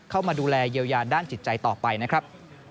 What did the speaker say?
เข้ามาดูแลเยียวยาด้านจิตใจต่อไปนะครับ